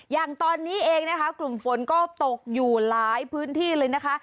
อย่างตอนนี้เองนะคะกลุ่มฝนก็ตกอยู่หลายพื้นที่เลยนะคะ